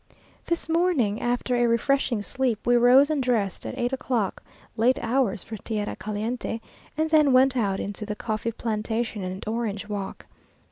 This morning, after a refreshing sleep, we rose and dressed at eight o'clock late hours for tierra caliente and then went out into the coffee plantation and orange walk.